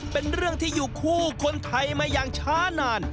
เป็นเรื่องที่อยู่คู่คนไทยมาอย่างช้านาน